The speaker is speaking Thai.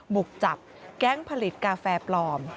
บุกจับแก๊งผลิตกาแฟปลอม